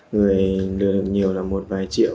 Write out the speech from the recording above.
người lừa được nhiều là một vài triệu